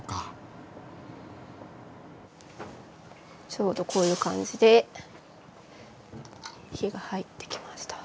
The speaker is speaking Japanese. ちょうどこういう感じで火が入ってきました。